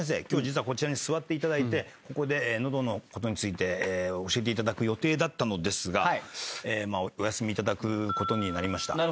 今日こちらに座っていただいてここで喉のことについて教えていただく予定だったのですがお休みいただくことになりました。